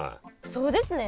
そうですね。